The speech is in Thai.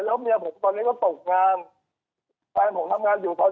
แล้วเมียผมตอนนี้ก็ตกงานแฟนผมทำงานอยู่ตอน